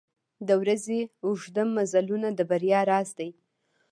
• د ورځې اوږده مزلونه د بریا راز دی.